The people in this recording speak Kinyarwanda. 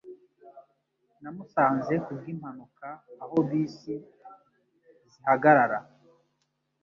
Namusanze kubwimpanuka aho bisi zihagarara.